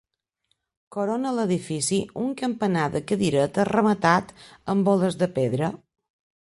Corona l'edifici un campanar de cadireta rematat amb boles de pedra.